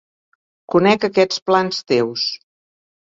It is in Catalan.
Conec aquests plans teus.